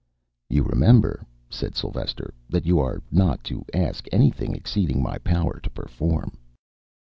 "You remember," said Silvester, "that you are not to ask anything exceeding my power to perform."